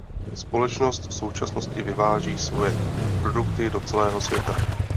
Společnost v současnosti vyváží svoje produkty do celého světa.